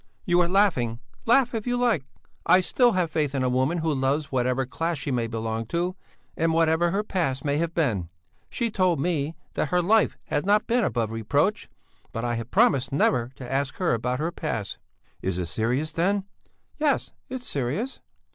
You are laughing! Laugh if you like! I still have faith in a woman who loves whatever class she may belong to, and whatever her past may have been. She told me that her life had not been above reproach, but I have promised never to ask her about her past." "Is it serious then?" "Yes, it is serious."